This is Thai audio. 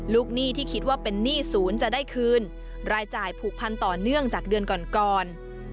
หนี้ที่คิดว่าเป็นหนี้ศูนย์จะได้คืนรายจ่ายผูกพันต่อเนื่องจากเดือนก่อนก่อน